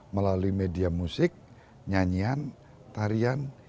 melalui media musik nyanyian tarian